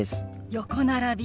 横並び。